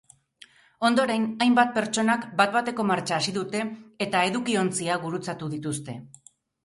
Ondoren, hainbat pertsonak bat-bateko martxa hasi dute eta edukiontziak gurutzatu dituzte.